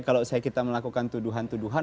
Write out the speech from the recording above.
kalau kita melakukan tuduhan tuduhan